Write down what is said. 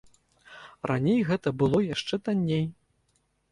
Раней гэта было яшчэ танней.